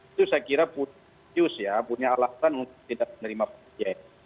itu saya kira pun dilihat alasan untuk tidak menerima vj